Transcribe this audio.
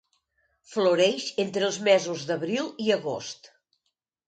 Floreix entre els mesos d'abril i agost.